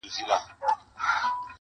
o پېښه د تماشې بڼه اخلي او درد پټيږي,